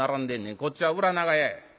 こっちは裏長屋や。